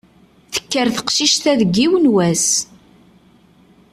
Tekker teqcict-a deg yiwen n wass!